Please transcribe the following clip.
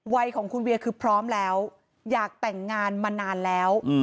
วัยของคุณเวียคือพร้อมแล้วอยากแต่งงานมานานแล้ว